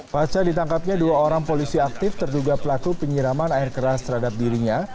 pasca ditangkapnya dua orang polisi aktif terduga pelaku penyiraman air keras terhadap dirinya